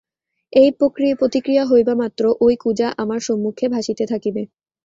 এই প্রতিক্রিয়া হইবামাত্র ঐ কুঁজা আমার সম্মুখে ভাসিতে থাকিবে।